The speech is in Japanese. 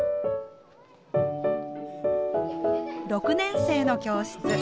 ６年生の教室。